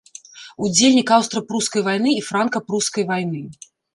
Удзельнік аўстра-прускай вайны і франка-прускай вайны.